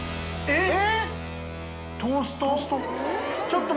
えっ？